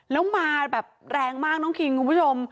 แล้วมาแบบแรงมากน้องคิงคุณผู้ชม